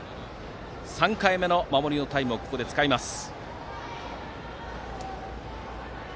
３回目の守りのタイムを使います。